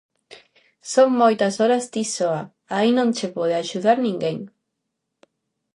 Son moitas horas ti soa, aí non che pode axudar ninguén.